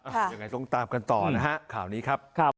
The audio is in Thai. ยังไงต้องตามกันต่อนะฮะข่าวนี้ครับ